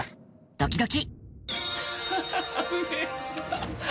ドキドキ。